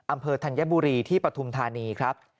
อำเภอธัญบุรีที่ประทุมธานีครับ